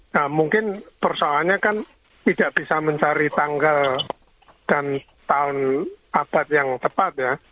nah mungkin persoalannya kan tidak bisa mencari tanggal dan tahun abad yang tepat ya